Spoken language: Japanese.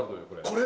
これ。